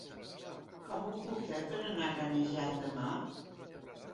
Com ho puc fer per anar a Canejan demà?